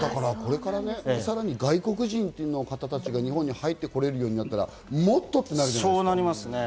さらに外国人の方たちが日本に入ってこれるようになったら、もっとってなるじゃないですか。